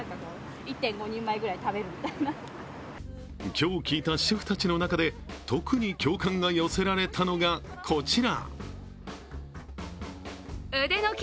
今日、聞いた主婦たちの中で特に共感を寄せられたのがこちら。